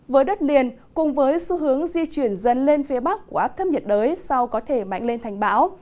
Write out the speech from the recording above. với đất liền cùng với xu hướng di chuyển dần lên phía bắc của áp thấp nhiệt đới sau có thể mạnh lên thành bão